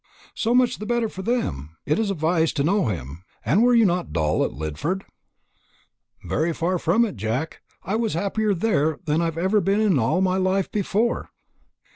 "So much the better for them! It is a vice to know him. And you were not dull at Lidford?" "Very far from it, Jack. I was happier there than I have ever been in my life before."